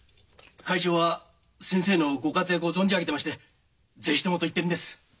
会長は先生のご活躍を存じ上げてまして「是非とも」と言ってるんです。